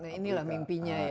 nah inilah mimpinya ya